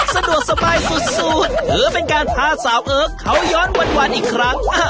สะดวกสบายสุดถือเป็นการพาสาวเอิร์กเขาย้อนวันอีกครั้ง